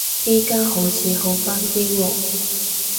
而家好似快返啲喎